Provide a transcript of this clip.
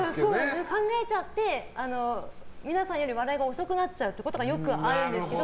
考えちゃって皆さんより笑いが遅くなっちゃうことがよくあるんですけど。